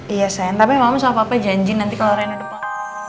iya saya tapi mama sama papa janji nanti kalau rena depan